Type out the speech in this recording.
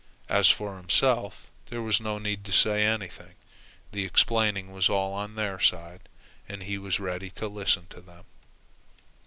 As for himself there was no need to say anything. The explaining was all on their side, and he was ready to listen to them.